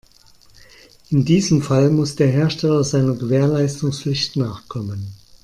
In diesem Fall muss der Hersteller seiner Gewährleistungspflicht nachkommen.